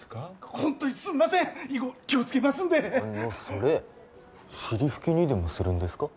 ホントにすんません以後気をつけますんであのそれ尻拭きにでもするんですか？